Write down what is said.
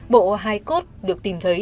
bộ hai cốt được tìm thấy